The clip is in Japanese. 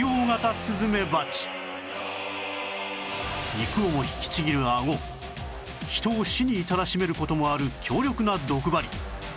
肉を引きちぎるアゴ人を死に至らしめる事もある強力な毒針